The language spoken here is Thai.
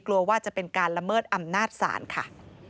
กลัวว่าจะเป็นการละเมิดอำนาจศาลค่ะ